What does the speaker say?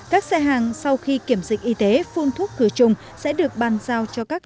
các xe hàng sau khi kiểm dịch y tế phun thuốc cửa chung sẽ được bàn giao cho các